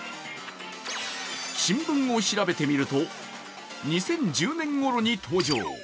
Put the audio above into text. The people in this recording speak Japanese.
新聞を調べてみると２０１０年ごろに登場。